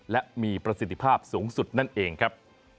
และมีประสิทธิภาพสูงสุดนั่นเองครับ